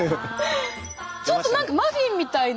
ちょっと何かマフィンみたいな。